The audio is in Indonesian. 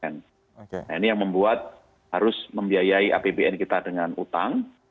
nah ini yang membuat harus membiayai apbn kita dengan utang